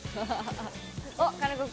おっ金子君。